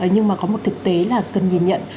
nhưng mà có một thực tế là cần nhìn nhận